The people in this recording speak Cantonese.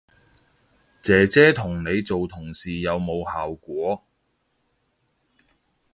姐姐同你做同事有冇效果